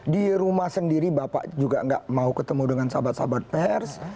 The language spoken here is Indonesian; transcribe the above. di rumah sendiri bapak juga nggak mau ketemu dengan sahabat sahabat pers